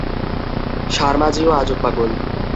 সার্মা জি ও আজব পাগল।